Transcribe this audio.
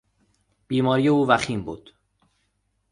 بیماری او وخیم بود.